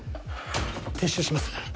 撤収します。